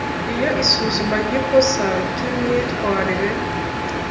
Iyo isuzuma ry ikosa ry imyitwarire